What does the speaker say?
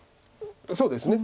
そうですね。